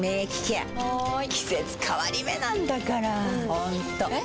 ホントえ？